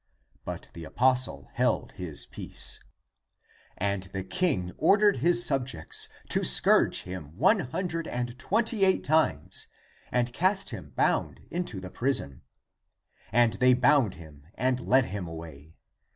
But the apostle held his peace. And the king ordered his subjects to scourge him one hundred and twenty eight times and cast him bound into the prison. And they bound him and led him away.